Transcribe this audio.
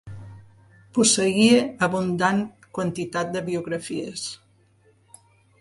Posseïa abundant quantitat de biografies.